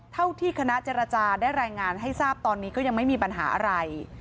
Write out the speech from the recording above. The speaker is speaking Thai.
ที่คณะเจรจาได้รายงานให้ทราบตอนนี้ก็ยังไม่มีปัญหาอะไร